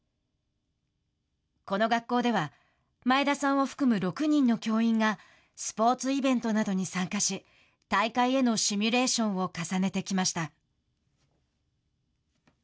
この学校では前田さんを含む６人の教員がスポーツイベントなどに参加し大会へのシミュレーションを重ねてきました。